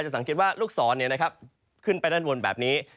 สังเกตว่าลูกศรขึ้นไปด้านบนแบบนี้